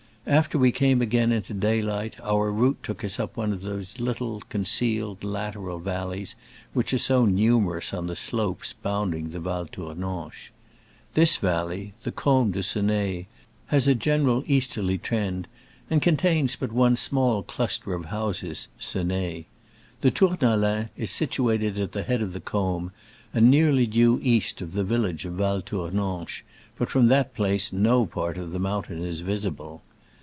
After we came again into daylight our route took us up one of those little, concealed lateral valleys which are so numerous on the slopes bounding the Val Tournanche. This valley, the Combe de Ceneil, has a general easterly trend, and con tains but one small cluster of houses (Ceneil). The Tournalin is situated at the head of the combe, and nearly due east of the village of Val Tournanche, but from that place no part of the moun tain is visible.